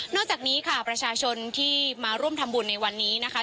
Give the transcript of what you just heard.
จากนี้ค่ะประชาชนที่มาร่วมทำบุญในวันนี้นะคะ